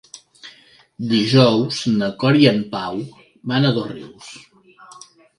Dijous na Cora i en Pau van a Dosrius.